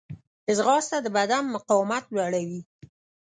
ځغاسته د بدن مقاومت لوړوي